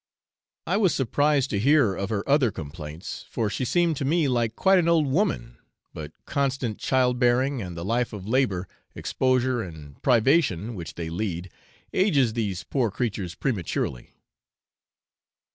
I was surprised to hear of her other complaints, for she seemed to me like quite an old woman; but constant child bearing, and the life of labour, exposure, and privation which they lead, ages these poor creatures prematurely.